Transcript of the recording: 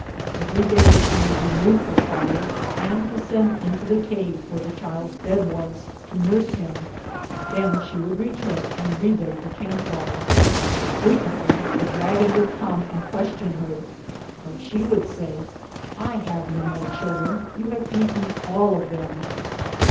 Every day she would remove the fire and descend into the cave, where the child's bed was, to nurse him; then she would return and rebuild the camp fire. Frequently the dragon would come and question her, but she would say, " I have no more children; you have eaten all of them."